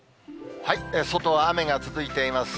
外は雨が続いています。